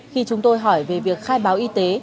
khi chúng tôi hỏi về việc khai báo y tế